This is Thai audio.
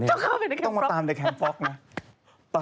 ถ้าต้องมาตามในแครมฟล็อคแคะมฟล็อค